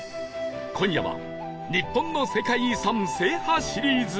今夜は日本の世界遺産制覇シリーズ